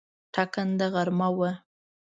ټاکنده غرمه وه.